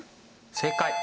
正解！